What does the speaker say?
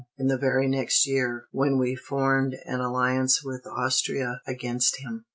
In the very next year, when we formed an alliance with Austria against him.